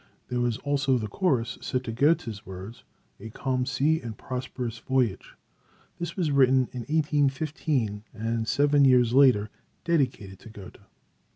There was also the chorus set to Goethe's words, "A Calm Sea and Prosperous Voyage." This was written in 1815 and seven years later dedicated to Goethe.